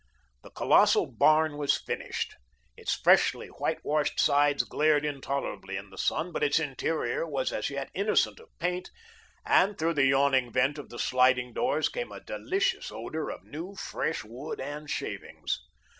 The colossal barn was finished. Its freshly white washed sides glared intolerably in the sun, but its interior was as yet innocent of paint and through the yawning vent of the sliding doors came a delicious odour of new, fresh wood and shavings.